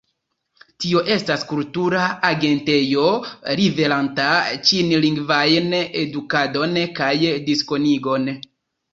Tio estas kultura agentejo liveranta ĉinlingvajn edukadon kaj diskonigon.